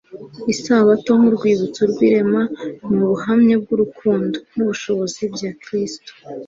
Isabato nk’urwibutso rw’irema ni ubuhamya bw’urukundo n’ubushobozi bya Kristo.